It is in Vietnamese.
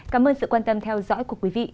cảm ơn sự quan tâm theo dõi của quý vị